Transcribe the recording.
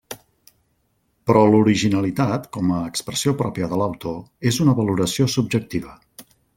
Però l'originalitat, com a expressió pròpia de l'autor, és una valoració subjectiva.